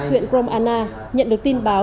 huyện gromana nhận được tin báo